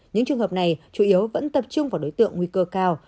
những trường hợp này chủ yếu vẫn tập trung vào đối tượng nguy cơ cao